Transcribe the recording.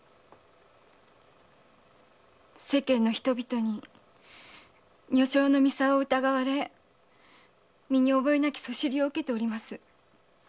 世間の人々に女性の操を疑われ身に覚えなき謗りを受けています。